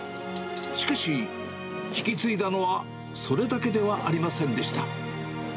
しかし、引き継いだのはそれだけではありませんでした。